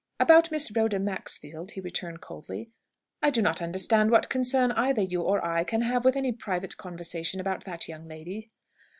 "About Miss Rhoda Maxfield?" he returned coldly; "I do not understand what concern either you or I can have with any private conversation about that young lady."